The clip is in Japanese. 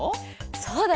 そうだね